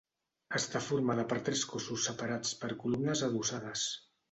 Està formada per tres cossos separats per columnes adossades.